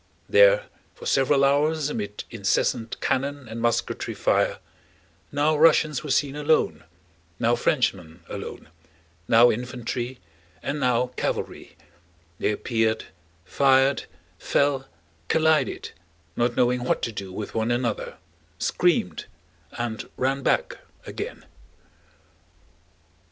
There for several hours amid incessant cannon and musketry fire, now Russians were seen alone, now Frenchmen alone, now infantry, and now cavalry: they appeared, fired, fell, collided, not knowing what to do with one another, screamed, and ran back again.